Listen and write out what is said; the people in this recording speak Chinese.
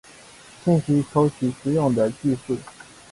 信息抽取之用的技术。